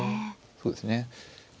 そうですね。